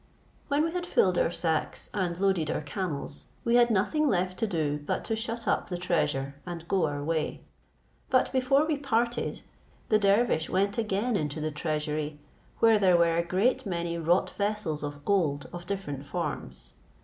When we had filled our sacks, and loaded our camels, we had nothing left to do but to shut up the treasure and go our way. But before we parted, the dervish went again into the treasury, where there were a great many wrought vessels of gold of different forms.